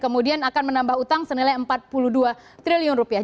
kemudian akan menambah utang senilai empat puluh dua triliun rupiah